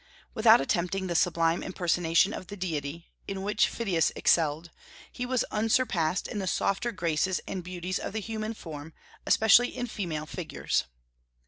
Without attempting the sublime impersonation of the deity, in which Phidias excelled, he was unsurpassed in the softer graces and beauties of the human form, especially in female figures.